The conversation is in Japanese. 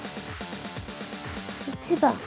１番。